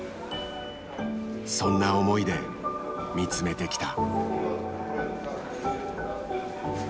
そんな思いで見つめてきた。